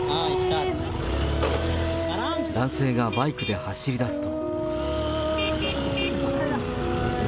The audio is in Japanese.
男性がバイクで走りだすと。